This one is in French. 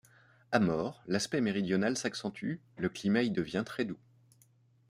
À Maurs l'aspect méridional s'accentue, le climat y devient très doux.